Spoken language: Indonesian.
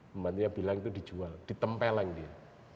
pembantunya bilang itu dijual ditempeleng dia